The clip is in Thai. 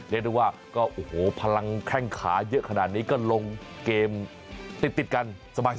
เรียกได้ว่าก็โอ้โหพลังแข้งขาเยอะขนาดนี้ก็ลงเกมติดกันสบาย